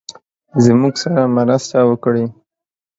زموږ سره مرسته وکړی.